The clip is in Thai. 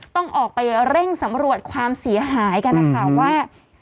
ต้องออกไปเร่งสำรวจความเสียหายกันนะคะว่า